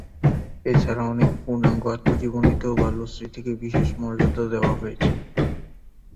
এ ছাড়া অনেক পূর্ণাঙ্গ আত্মজীবনীতেও বাল্যস্মৃতিকে বিশেষ মর্যাদা দেওয়া হয়েছে।